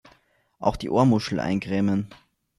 Auch die Ohrmuschel eincremen!